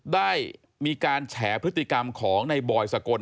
ได้มีการแฉพฤติกรรมของในบอยสกล